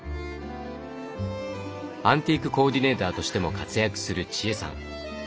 アンティークコーディネーターとしても活躍する千恵さん。